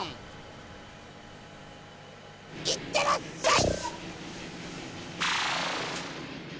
いってらっしゃい！